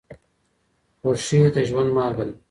خوښي د ژوند مالګه ده.